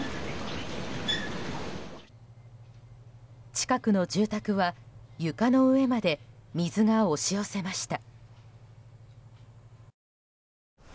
近くの住宅は床の上まで水が押し寄せました。